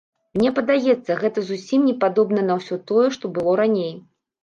Мне падаецца, гэта зусім не падобна на ўсё тое, што было раней.